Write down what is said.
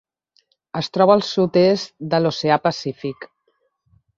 Es troba al sud-est de l'Oceà Pacífic: